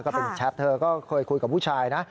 ก็เป็นแชทเธอก็เคยคุยกับผู้ชายนะ